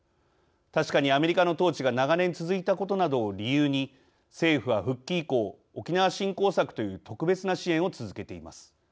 確かにアメリカの統治が長年続いたことなどを理由に政府は復帰以降沖縄振興策という特別な支援を続けています。